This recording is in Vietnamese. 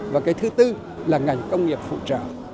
và thứ tư là ngành công nghiệp phụ trợ